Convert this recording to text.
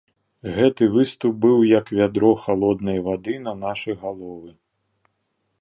Гэты выступ быў як вядро халоднай вады на нашы галовы.